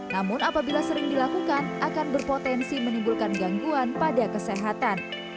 namun apabila sering dilakukan akan berpotensi menimbulkan gangguan pada kesehatan